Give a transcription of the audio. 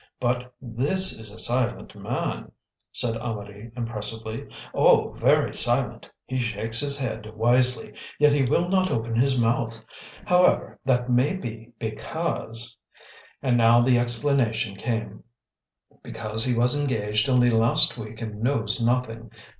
"But this is a silent man," said Amedee impressively. "Oh! very silent! He shakes his head wisely, yet he will not open his mouth. However, that may be because" and now the explanation came "because he was engaged only last week and knows nothing.